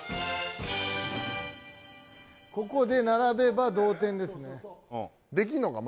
ここで並べば同点ですねできんのか？